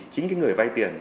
chính cái người vay tiền